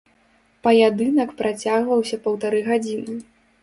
Паядынак працягваўся паўтары гадзіны.